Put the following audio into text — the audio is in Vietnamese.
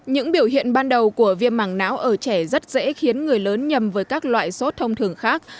những biểu hiện ban đầu của viêm mảng não ở trẻ rất dễ khiến người lớn nhầm với các loại sốt thông thường khác